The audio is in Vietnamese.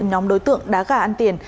nhóm đối tượng đá gà ăn tiền